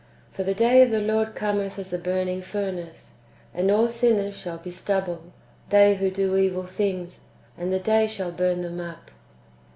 " For the day of the Lord cometh as a burning furnace, and all sinners shall be stubble, they who do evil things, and the day shall burn them up."